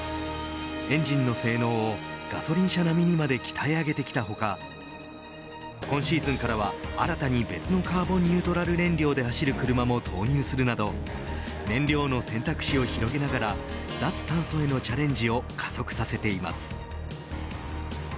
エンジンの性能をガソリン車並みにまで鍛え上げてきた他今シーズンからは新たに別のカーボンニュートラル燃料で走る車も投入するなど燃料の選択肢を広げながら脱炭素へのチャレンジを加速させています。